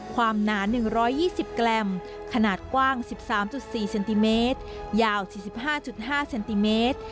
หนา๑๒๐กรัมขนาดกว้าง๑๓๔เซนติเมตรยาว๔๕๕เซนติเมตร